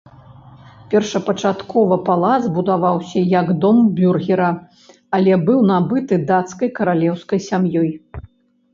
Першапачаткова палац будаваўся як дом бюргера, але быў набыты дацкай каралеўскай сям'ёй.